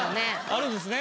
あるんですね。